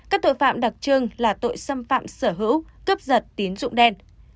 các tội phạm đặc trưng là tội xâm phạm sở hữu cướp giật tín dụng đen